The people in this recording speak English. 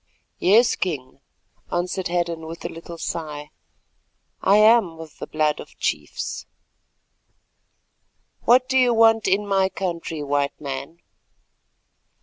"Yes, King," answered Hadden, with a little sigh, "I am of the blood of chiefs." "What do you want in my country, White Man?"